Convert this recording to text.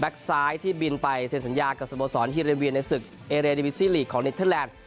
แบ็คซ้ายที่บินไปเสียสัญญากับสมสรรค์ฮีเรนเวียในศึกเอเรนดีวิซีลีกของเน็ตเทอร์แลนด์